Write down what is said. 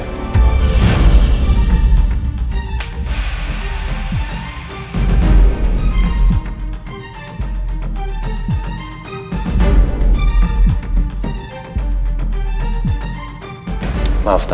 untuk memuaskan ego anda